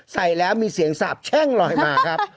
ใส่แล้วมีเสียงสาบแช่งลอยมาครับ